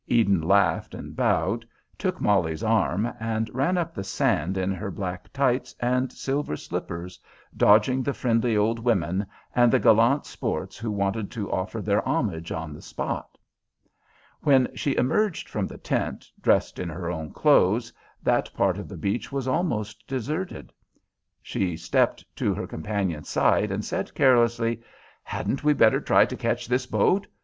Eden laughed and bowed, took Molly's arm, and ran up the sand in her black tights and silver slippers, dodging the friendly old women, and the gallant sports who wanted to offer their homage on the spot. When she emerged from the tent, dressed in her own clothes, that part of the beach was almost deserted. She stepped to her companion's side and said carelessly: "Hadn't we better try to catch this boat?